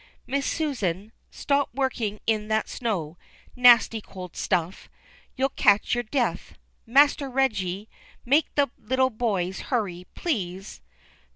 Miss Susan, stop working in that snow, nasty cold stuff, you'll catch your death. Master Reggie, make the little boys hurry, please."